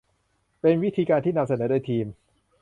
เป็นวิธีการที่นำเสนอโดยทีม